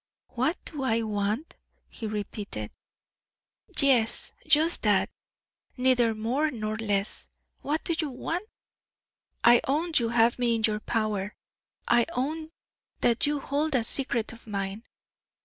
"What do I want?" he repeated. "Yes, just that neither more nor less what do you want? I own you have me in your power, I own that you hold a secret of mine.